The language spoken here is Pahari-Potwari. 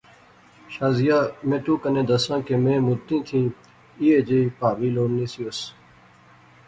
شازیہ میں تو کنے دساں کہ میں مدتیں تھی ایہھے جئی پہاوی لوڑنی سیوس